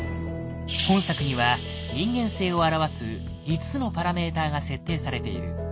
本作には人間性を表す５つのパラメーターが設定されている。